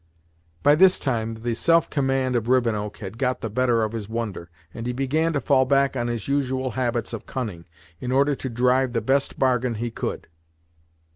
By this time the self command of Rivenoak had got the better of his wonder, and he began to fall back on his usual habits of cunning, in order to drive the best bargain he could.